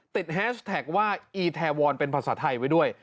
แฮชแท็กว่าอีแทวอนเป็นภาษาไทยไว้ด้วย